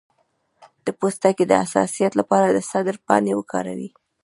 د پوستکي د حساسیت لپاره د سدر پاڼې وکاروئ